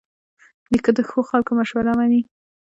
نیکه د ښو خلکو مشوره منې.